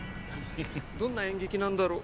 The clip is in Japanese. どんな演劇なんだろう？